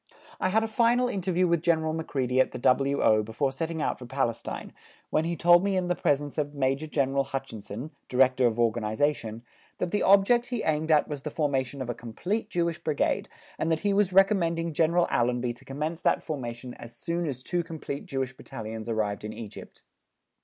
I had a final interview with General Macready at the W.O. before setting out for Palestine, when he told me in the presence of Major General Hutchison, Director of Organization, that the object he aimed at was the formation of a complete Jewish Brigade, and that he was recommending General Allenby to commence that formation as soon as two complete Jewish Battalions arrived in Egypt.